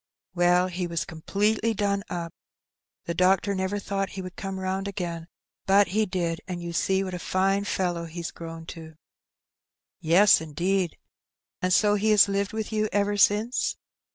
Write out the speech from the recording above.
Well, he was completely done up ; the doctor never thought he would come round again, but he did, and you see what a fine fellow he's grown to." " Yes, indeed ! And so he has lived with you ever since